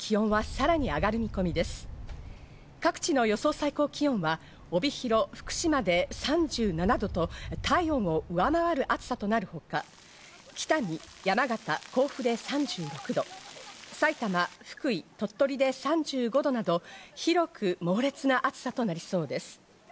最高気温は帯広、福島で３７度と、体温を上回る暑さとなるほか、北見、山形、甲府で３６度、さいたま、福井、鳥取で３５度など広く猛烈な暑さとなりそうです。